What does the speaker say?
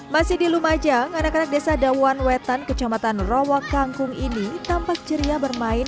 masih di lumajang anak anak desa dawan wetan kecamatan rawa kangkung ini tampak ceria bermain